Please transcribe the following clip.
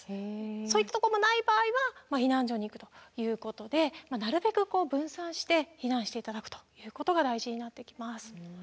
そういったとこもない場合は避難所に行くということでなるべくこう分散して避難して頂くということが大事になってきます。